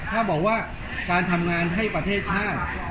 ถ้าบอกว่าการทำงานให้ประเทศชาติ